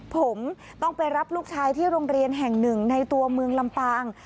ผมต้องไปรับลูกชายที่โรงเรียนแห่งหนึ่งในตัวเมืองลำปาง